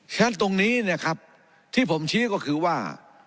ฉะนั้นตรงนี้ที่ผมชี้ก็คือว่า